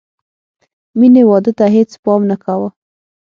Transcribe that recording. مینې واده ته هېڅ پام نه کاوه